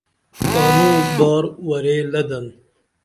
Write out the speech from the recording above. تانو بار ورے لدن